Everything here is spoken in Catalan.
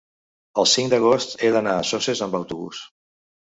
el cinc d'agost he d'anar a Soses amb autobús.